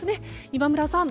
今村さん